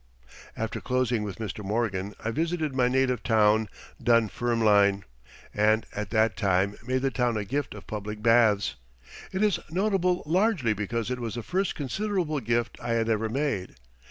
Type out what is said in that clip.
After closing with Mr. Morgan, I visited my native town, Dunfermline, and at that time made the town a gift of public baths. It is notable largely because it was the first considerable gift I had ever made.